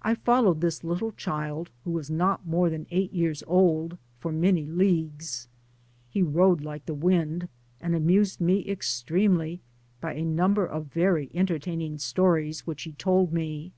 I followed this little child, who was not more than ei^t years old, for many leagues. He rode like the wind, and amused me extremely by a number of very enter taining stcmes which he told me.